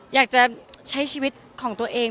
อยากจะใช้ชีวิตของตัวเอง